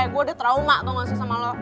gue udah trauma tau nggak sih sama lo